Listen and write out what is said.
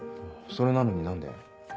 それなのに何で？